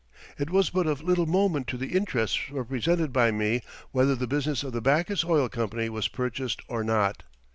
It was but of little moment to the interests represented by me whether the business of the Backus Oil Company was purchased or not.